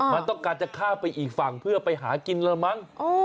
มันต้องการจะข้ามไปอีกฝั่งเพื่อไปหากินแล้วมั้ง